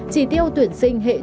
trì tiêu tuyển sinh hệ thống